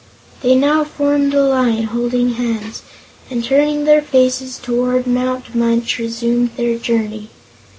They now formed a line, holding hands, and turning their faces toward Mount Munch resumed their journey.